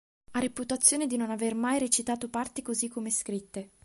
Ha reputazione di non aver mai recitato parti così come scritte.